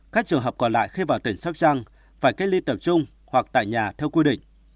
các trường hợp còn lại khi vào tỉnh sóc trăng phải cách ly tập trung hoặc tại nhà theo quy định